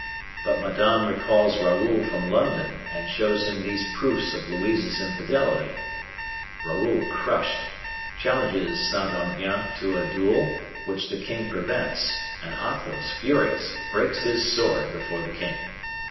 But Madame recalls Raoul from London and shows him these proofs of Louise's infidelity. Raoul, crushed, challenges Saint Aignan to a duel, which the king prevents, and Athos, furious, breaks his sword before the king.